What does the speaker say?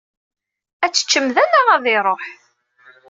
Ad t-teččem da neɣ ad iṛuḥ?